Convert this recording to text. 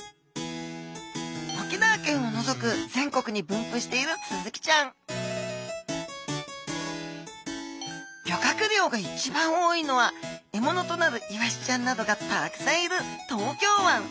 沖縄県をのぞく全国に分布しているスズキちゃん漁獲量が一番多いのは獲物となるイワシちゃんなどがたくさんいる東京湾。